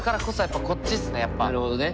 なるほどね。